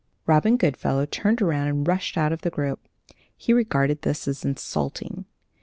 Robin Goodfellow turned around and rushed out of the group. He regarded this as insulting.